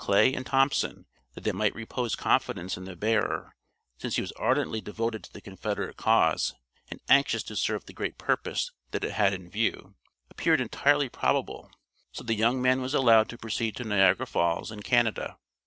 Clay and Thompson that they might repose confidence in the bearer, since he was ardently devoted to the Confederate cause and anxious to serve the great purpose that it had in view, appeared entirely probable; so the young man was allowed to proceed to Niagara Falls and Canada.